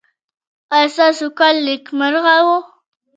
ایا ستاسو کال نیکمرغه و؟